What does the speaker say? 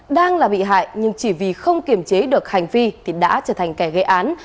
đang là bị hại nhưng chỉ vì không kiểm chế được hành vi thì đã trở thành kẻ gây án